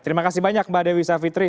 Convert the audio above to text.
terima kasih banyak mbak dewi savitri